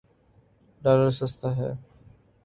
Dollar سستا ہے۔